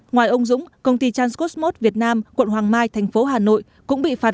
ngoài ông dũng công ty transcosmos việt nam quận hoàng mai tp hà nội cũng bị phạt